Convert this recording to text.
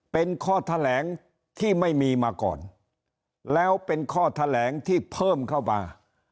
เป็นข้อแถลงที่ไม่มีมาก่อนแล้วเป็นข้อแถลงที่เพิ่มเข้ามา